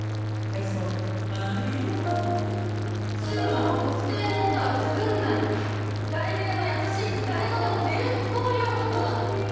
柊磨は特定の女は作んない誰にでも優しいし誰とでも寝るのそういう男なの。